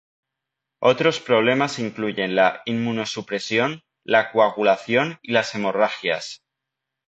Otros problemas incluyen la inmunosupresión, la coagulación y las hemorragias.